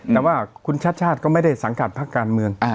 แต่ว่าคุณชาติชาติก็ไม่ได้สังกัดพักการเมือง